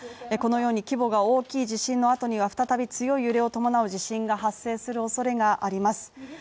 このように規模が大きい地震の後には再び強い揺れを伴う地震が発生するおそれがあります